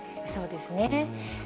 そうですね。